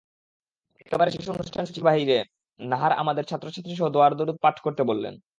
একেবারে শেষে অনুষ্ঠানসূচির বাইরে নাহার আমাদের ছাত্রছাত্রীসহ দোয়া-দরুদ পাঠ করতে বললেন।